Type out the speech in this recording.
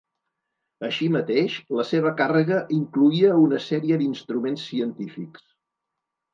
Així mateix, la seva càrrega incloïa una sèrie d'instruments científics.